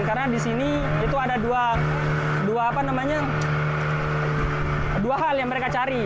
karena di sini itu ada dua hal yang mereka cari